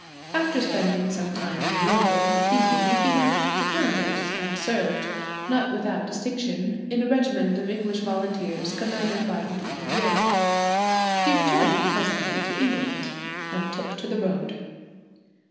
After spending some time in London thieving, he went to Flanders and served, not without distinction, in a regiment of English volunteers commanded by the Duke of York. He returned presently to England, and took to the road.